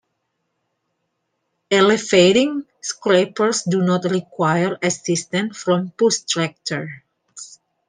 Elevating scrapers do not require assistance from push-tractors.